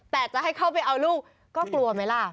แต่จะให้เข้าไปเอาลูกก็กลัวไหมล่ะ